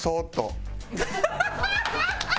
ハハハハ！